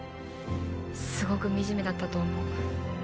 すごく惨めだったと思う